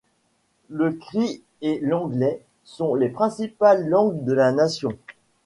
Le cri et l'anglais sont les principales langues de la nation.